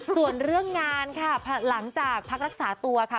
ส่วนเรื่องงานค่ะหลังจากพักรักษาตัวค่ะ